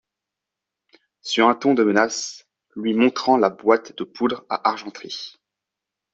Sur un ton de menace, lui montrant la boîte de poudre à argenterie.